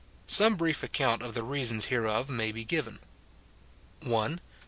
Some brief ac count of the reasons hereof may be given :— 1.